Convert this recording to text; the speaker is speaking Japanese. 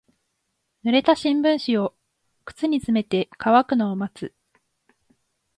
濡れた新聞紙を靴に詰めて乾くのを待つ。